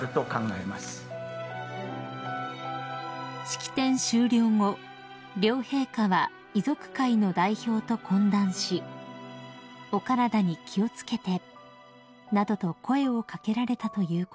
［式典終了後両陛下は遺族会の代表と懇談し「お体に気を付けて」などと声を掛けられたということです］